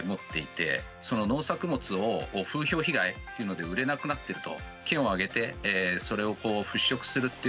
農作物を風評被害というので売れなくなってると。